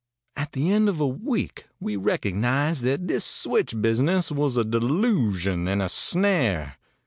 At the end of a week we recognized that this switch business was a delusion and a snare.